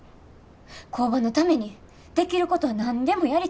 工場のためにできることは何でもやりたい思てる。